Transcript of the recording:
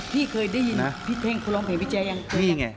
พี่เคยได้ยินพี่เท่งเขาร้องเพลงพี่แจ๊ยังพี่ยังไง